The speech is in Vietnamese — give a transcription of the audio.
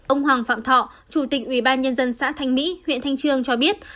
ông hoàng phạm thọ chủ tịch ubnd xã thanh mỹ huyện thanh trương cho biết